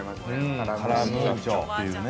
◆カラムーチョっていうね。